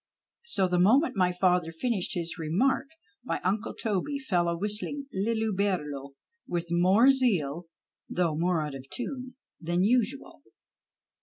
So the moment my father finished his remark my uncle Toby fell a whistling " Lilli bullero " with more zeal (though more out of tune) than usual.